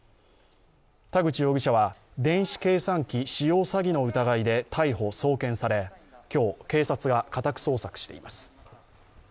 田口容疑者は電子計算機使用詐欺の疑いで逮捕・送検され今日、警察が家宅捜索しています。